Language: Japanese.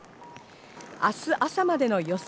明日朝までの予想